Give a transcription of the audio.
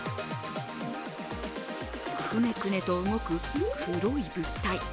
くねくねと動く黒い物体。